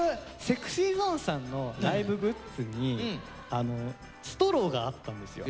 僕ＳｅｘｙＺｏｎｅさんのライブグッズにストローがあったんですよ